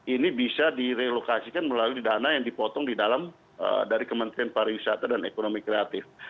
ini bisa direlokasikan melalui dana yang dipotong di dalam dari kementerian pariwisata dan ekonomi kreatif